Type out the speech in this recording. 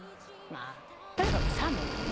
とにかくサーモンなの。